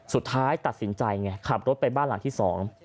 สุดท้ายตัดสินใจไงขับรถไปบ้านหลังที่สอง